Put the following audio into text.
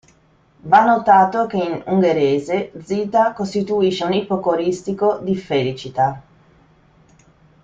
Va notato che, in ungherese, "Zita" costituisce un ipocoristico di Felicita.